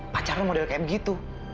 pacar lo model kayak begitu